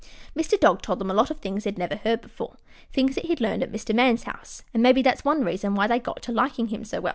Mr. Dog told them a lot of things they had never heard of before, things that he'd learned at Mr. Man's house, and maybe that's one reason why they got to liking him so well.